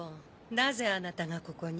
なぜあなたがここに？